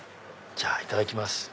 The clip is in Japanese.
じゃあいただきます。